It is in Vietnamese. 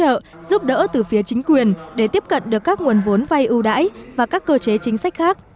hỗ trợ giúp đỡ từ phía chính quyền để tiếp cận được các nguồn vốn vay ưu đãi và các cơ chế chính sách khác